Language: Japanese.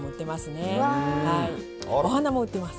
お花も売ってます。